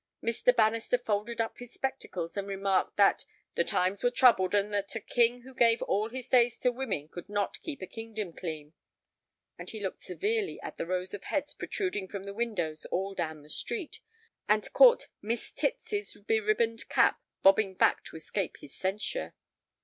Mr. Bannister folded up his spectacles and remarked that "the times were troubled, and that a king who gave all his days to women could not keep a kingdom clean." And he looked severely at the row of heads protruding from the windows all down the street, and caught Miss Titsy's beribboned cap bobbing back to escape his censure.